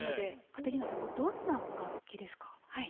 カテリーナさんどんな楽器ですか？